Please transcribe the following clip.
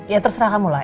ya terserah kamu lah